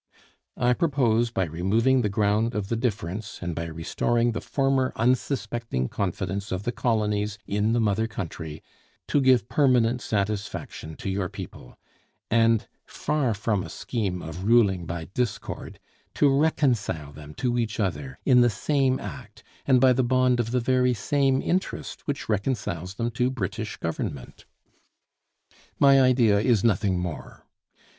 I propose by removing the ground of the difference, and by restoring the former unsuspecting confidence of the colonies in the mother country, to give permanent satisfaction to your people; and (far from a scheme of ruling by discord) to reconcile them to each other in the same act and by the bond of the very same interest which reconciles them to British government. My idea is nothing more.